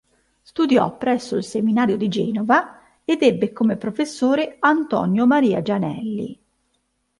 Studiò presso il seminario di Genova ed ebbe come professore Antonio Maria Gianelli.